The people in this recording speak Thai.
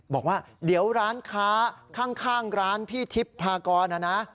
บอกว่าเดี๋ยวร้านค้าข้างร้านพี่ทิพย์พากรนะนะ